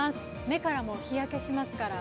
目からも日焼けしますから。